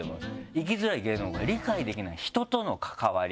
「生きづらい芸能界理解できない人との関わり」。